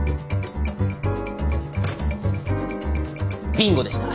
ビンゴでした。